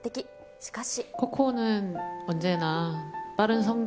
しかし。